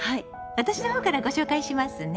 私のほうからご紹介しますね。